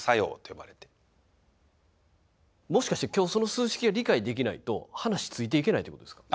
もしかして今日その数式が理解できないと話ついていけないってことですか？